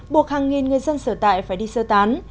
buộc hàng nghìn người dân sở tại phải đi sơ tán